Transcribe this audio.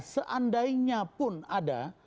seandainya pun ada